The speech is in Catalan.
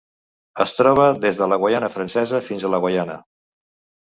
Es troba des de la Guaiana Francesa fins a la Guaiana.